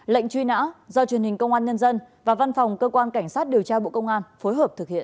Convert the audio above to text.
lệnh truy nã do truyền hình công an nhân dân và văn phòng cơ quan cảnh sát điều tra bộ công an phối hợp thực hiện